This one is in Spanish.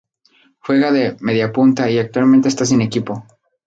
Juega de mediapunta y actualmente está sin equipo.